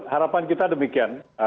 harapan kita demikian